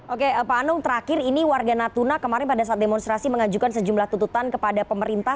oke pak anung terakhir ini warga natuna kemarin pada saat demonstrasi mengajukan sejumlah tututan kepada pemerintah